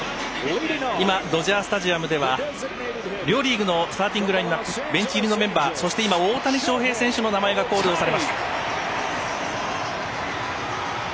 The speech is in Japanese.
今、ドジャースタジアムでは両リーグのスターティングラインアップベンチ入りのメンバーそして、大谷翔平選手の名前がコールをされました。